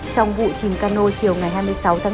trong vụ chìm cano chiều ngày hai mươi sáu tháng bốn